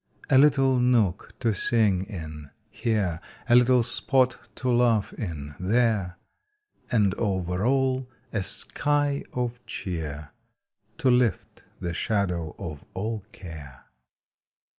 A little nook to sing in here, A little spot to laugh in there, And over all a sky of cheer To lift the shadow of all care.